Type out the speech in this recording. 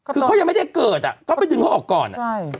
คือเขายังไม่ได้เกิดอะก็นึงออกก่อน